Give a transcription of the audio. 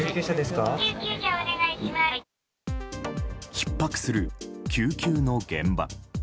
ひっ迫する救急の現場。